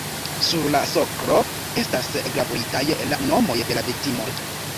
Sur la soklo estas gravuritaj la nomoj de la viktimoj.